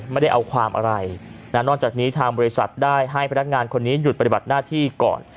ไม่ได้เอาความอะไรนอกจากนี้ทางบริษัทได้ให้พนักงานคนนี้หยุดปฏิบัติหน้าที่ก่อน